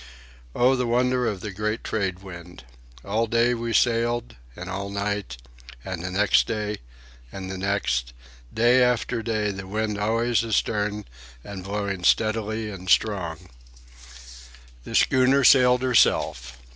Oh, the wonder of the great trade wind! All day we sailed, and all night, and the next day, and the next, day after day, the wind always astern and blowing steadily and strong. The schooner sailed herself.